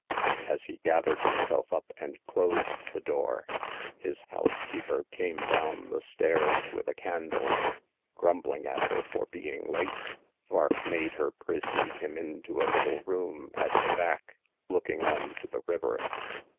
As he gathered himself up and closed the door, his housekeeper came down the stairs with a candle. Grumbling at her for being late, Vark made her precede him into a little room at the back, looking on to the river.